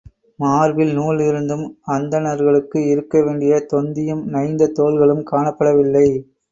மார்பில் நூல் இருந்தும் அந்தணர்களுக்கு இருக்க வேண்டிய தொந்தியும் நைந்த தோள்களும் காணப்படவில்லை.